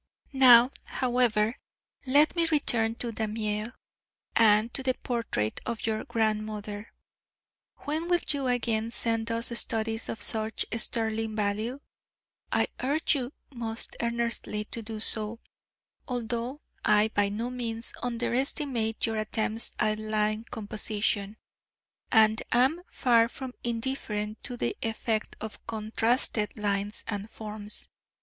Now, however, let me return to Daumier and to the portrait of your grandmother. When will you again send us studies of such sterling value? I urge you most earnestly to do so, although I by no means underestimate your attempts at line composition, and am far from indifferent to the effect of contrasted lines and forms.